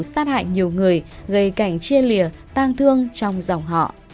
sát hại nhiều người gây cảnh chia lìa tang thương trong dòng họ